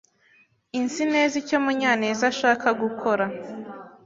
inzi neza icyo Munyanezashaka gukora.